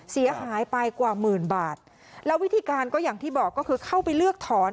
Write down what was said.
เสียหายไปกว่าหมื่นบาทแล้ววิธีการก็อย่างที่บอกก็คือเข้าไปเลือกถอน